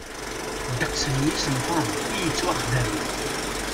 Ddeqs n yisenfaṛen i yettwaxdamen.